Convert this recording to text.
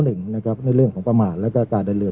หนึ่งนะครับในเรื่องของประมาณแล้วก็อากาศเดินเรือ